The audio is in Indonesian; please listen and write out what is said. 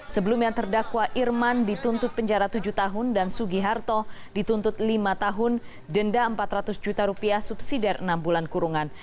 sebelumnya terdakwa irman dituntut penjara tujuh tahun dan sugiharto dituntut lima tahun denda empat ratus juta rupiah subsidi dari enam bulan kurungan